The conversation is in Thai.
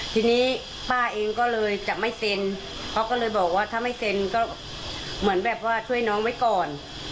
ทีนี้ป้าเองก็เลยจะไม่เซ็นเขาก็เลยบอกว่าถ้าไม่เซ็นก็เหมือนแบบว่าช่วยน้องไว้ก่อน